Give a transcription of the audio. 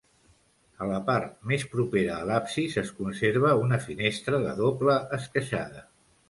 A la part més propera a l'absis es conserva una finestra de doble esqueixada.